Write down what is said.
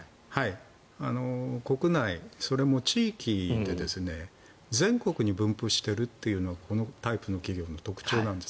国内、それも地域で全国に分布しているというのがこのタイプの企業の特徴なんです。